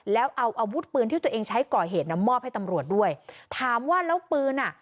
แล้วเอาอาวุธปืนที่ตัวเองใช้ก่อเหตุนะมอบให้ตำรวจด้วยถามว่าแล้วปืนอ่ะ